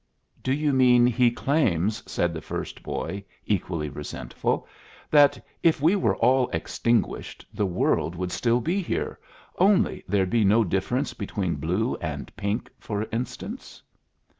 "Do you mean he claims," said the first boy, equally resentful, "that if we were all extinguished the world would still be here, only there'd be no difference between blue and pink, for instance?"